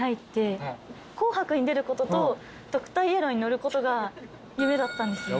『紅白』に出ることとドクターイエローに乗ることが夢だったんですよ。